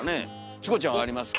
チコちゃんはありますか？